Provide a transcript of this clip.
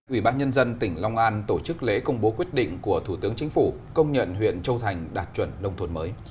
ủy ban nhân dân tỉnh long an tổ chức lễ công bố quyết định của thủ tướng chính phủ công nhận huyện châu thành đạt chuẩn nông thôn mới